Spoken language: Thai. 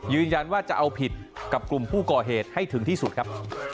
ยืนยันว่าจะเอาผิดกับกลุ่มผู้ก่อเหตุให้ถึงที่สุดครับ